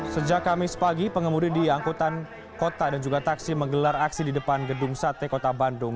sejak kamis pagi pengemudi di angkutan kota dan juga taksi menggelar aksi di depan gedung sate kota bandung